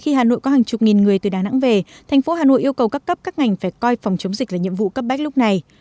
khi hà nội có hàng chục nghìn người từ đà nẵng về thành phố hà nội yêu cầu các cấp các ngành phải coi phòng chống dịch là nhiệm vụ cấp bách lúc này